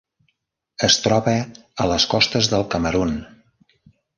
Es troba a les costes del Camerun.